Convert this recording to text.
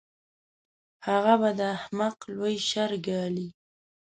هغه به د احمق لوی شر ګالي.